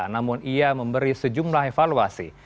namun ia memberi sejumlah evaluasi